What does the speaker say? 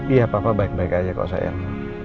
iya papa baik baik aja kok sayang